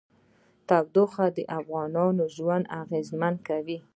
تودوخه د افغانانو ژوند اغېزمن کوي.